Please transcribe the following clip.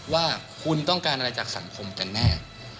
ว่าคุณต้องการอะไรจากสังคมกันแน่